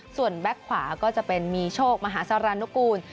ส่วนแบ็คขวาก็จะเป็นมีโชคมหาสารนุกูล